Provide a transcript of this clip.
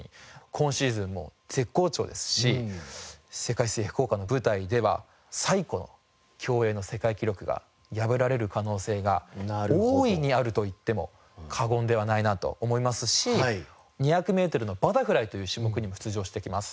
今シーズンも絶好調ですし世界水泳福岡の舞台では最古の競泳の世界記録が破られる可能性が大いにあると言っても過言ではないなと思いますし２００メートルのバタフライという種目にも出場してきます。